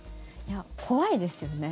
怖いですよね。